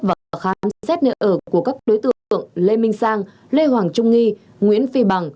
và khám xét nơi ở của các đối tượng lê minh sang lê hoàng trung nghi nguyễn phi bằng